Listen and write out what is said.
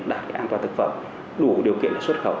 đạt cái an toàn thực phẩm đủ điều kiện để xuất khẩu